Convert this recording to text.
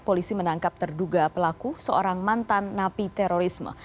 polisi menangkap terduga pelaku seorang mantan napi terorisme